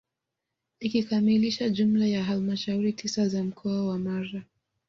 Ikikamilisha jumla ya halmashauri tisa za mkoa wa Mara